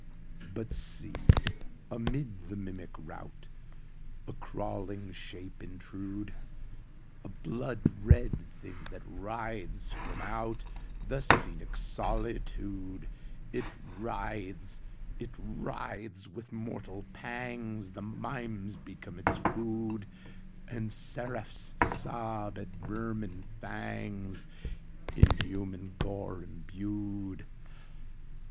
But see, amid the mimic routA crawling shape intrude!A blood red thing that writhes from outThe scenic solitude! It writhes!—it writhes!—with mortal pangsThe mimes become its food, And seraphs sob at vermin fangsIn human gore imbued.